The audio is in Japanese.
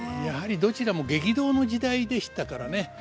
やはりどちらも激動の時代でしたからね。